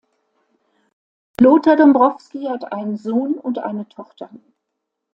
Lothar Dombrowski hat einen Sohn und eine Tochter.